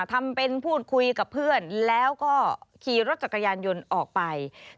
ทำเป็นพูดคุยกับเพื่อนแล้วก็ขี่รถจักรยานยนต์ออกไป